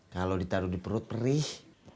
kalo ditaro di perut perih